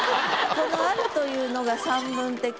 この「ある」というのが散文的。